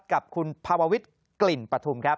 กับคุณภาววิทย์กลิ่นปฐุมครับ